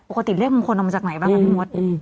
เลขมงคลเอามาจากไหนบ้างคะพี่มด